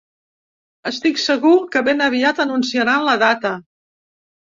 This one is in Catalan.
Estic segur que ben aviat anunciaran la data.